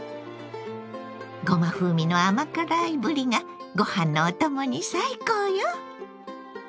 ごま風味の甘辛いぶりがご飯のお供に最高よ！